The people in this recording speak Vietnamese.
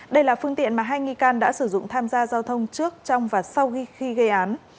đây là phương tiện mà hai nghi can đã sử dụng tham gia giao thông trước trong và sau khi gây án